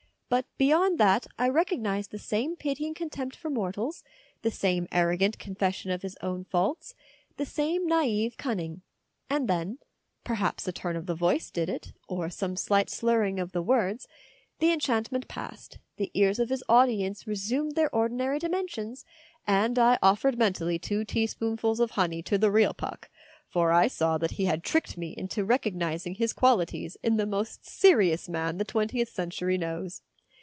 But beyond that I recognised the same pitying contempt for mortals, the same arrogant con fession of his own faults, the same naive cunning. And then (perhaps a turn of the voice did it, or some slight slurring of the words) the enchantment passed, the ears of his audience resumed their ordinary dimen sions, and I offered mentally two teaspoon fuls of honey to the real Puck, for I saw that he had tricked me into recognising his qualities in the most serious man the twentieth century knows.